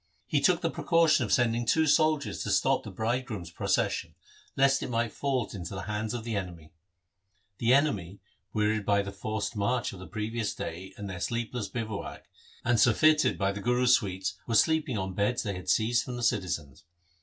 He took the precaution of sending two soldiers to stop the bridegroom's procession, lest it might fall into the hands of the enemy. The enemy, wearied by the forced march of the previous day and their sleepless bivouac, and sur feited by the Guru's sweets, were sleeping on beds they had seized from the citizens.